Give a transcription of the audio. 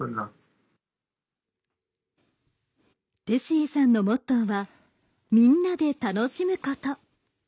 テシエさんのモットーはみんなで楽しむこと。